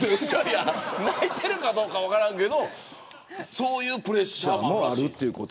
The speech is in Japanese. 泣いてるかどうか分からんけどそういうプレッシャーもある。